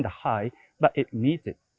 tapi itu diperlukan